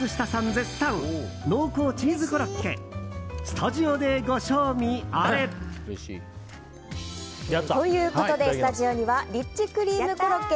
絶賛濃厚チーズコロッケスタジオでご賞味あれ！ということで、スタジオにはリッチクリームコロッケ